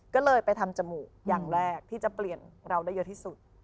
ก็เลยไปทำจมูกอย่างแรกที่จะเปลี่ยนเราได้เยอะที่สุด